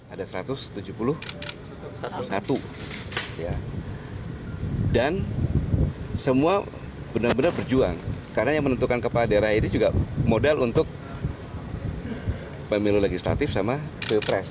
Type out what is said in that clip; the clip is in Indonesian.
ada satu ratus tujuh puluh satu dan semua benar benar berjuang karena yang menentukan kepala daerah ini juga modal untuk pemilu legislatif sama pilpres